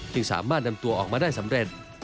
สามารถนำตัวออกมาได้สำเร็จ